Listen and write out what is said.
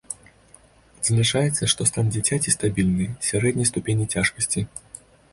Адзначаецца, што стан дзіцяці стабільны, сярэдняй ступені цяжкасці.